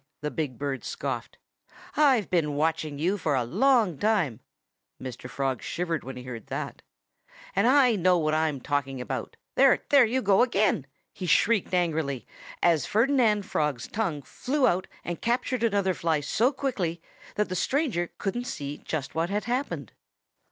the big bird scoffed. "I've been watching you for a long time (Mr. Frog shivered when he heard that!) and I know what I'm talking about. ... There you go again!" he shrieked angrily, as Ferdinand Frog's tongue flew out and captured another fly so quickly that the stranger couldn't see just what had happened.